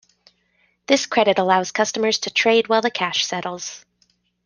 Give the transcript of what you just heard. This credit allows customers to trade while the cash settles.